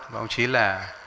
và thứ chín là